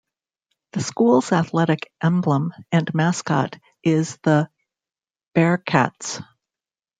The school's athletic emblem and mascot is the "Bearkatz".